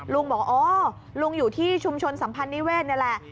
ลุงบอกอ๋อลุงอยู่ที่ชุมชนสัมพันธ์นิเวศนี่แหละ